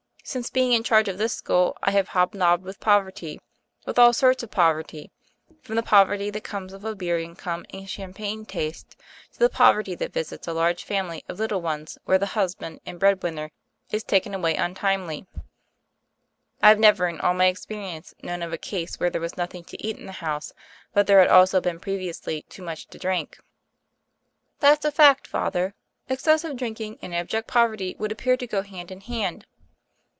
Since being in charge of this school I have hob nobbed with poverty — with all sorts of poverty; from the poverty that comes of a beer income and champagne taste to the poverty that visits a large family of little ones where the husband and bread winner is taken away untimely; but I've never in all my experience known of a case where there was nothing to eat in the house but THE FAIRY OF THE SNOWS 21 there had also been previously too much to drink." * 'That's a fact, Father; excessive drink and abject poverty would appear to go hand in« hand